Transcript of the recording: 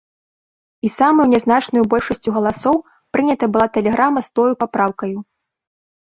І самаю нязначнаю большасцю галасоў прынята была тэлеграма з тою папраўкаю.